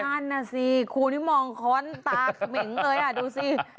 เต้นน่ะสิครูนี้มองค้นตาเหม็งเลยอ่ะดูสิ